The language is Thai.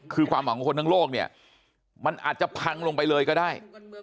คือความหวังของคนทั้งโลกเนี่ยมันอาจจะพังลงไปเลยก็ได้